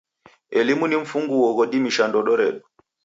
Elimu ni mfunguo ghodimisha ndodo redu.